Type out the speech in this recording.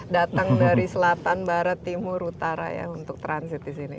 datang dari selatan barat timur utara ya untuk transit di sini